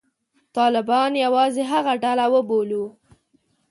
طالبان یوازې هغه ډله وبولو.